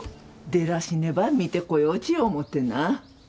デラシネば見てこようち思ってな。